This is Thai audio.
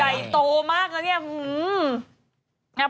ใหญ่โตมากแล้วเนี่ย